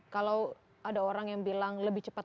kalau ada orang yang bilang lebih cepat